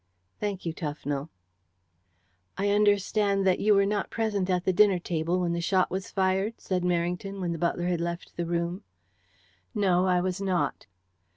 "Thank you, Tufnell." "I understand that you were not present at the dinner table when the shot was fired?" said Merrington when the butler had left the room. "No, I was not."